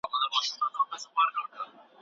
دوکه بازان په ټولنه کي ځای نه لري.